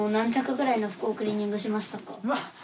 うわっ！